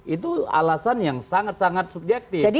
itu alasan yang sangat sangat subjektif